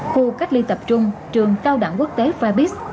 khu cách ly tập trung trường cao đẳng quốc tế fibis